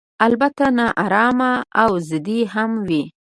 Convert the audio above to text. البته نا ارامه او ضدي هم وي.